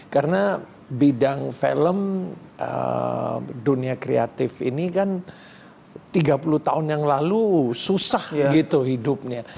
karena bidang film dunia kreatif ini kan tiga puluh tahun yang lalu susah gitu hidupnya